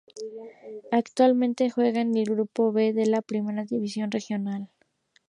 Actualmente juega en el Grupo B de la Primera División Regional.